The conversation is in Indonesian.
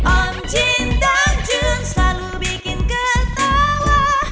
om jin dan jun selalu bikin ketawa